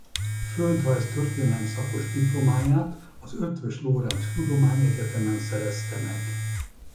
Földrajz–történelem szakos diplomáját az Eötvös Loránd Tudományegyetemen szerezte meg.